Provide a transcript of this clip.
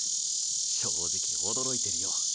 正直驚いてるよ。